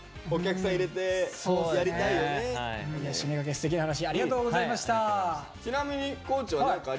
すてきな話ありがとうございました。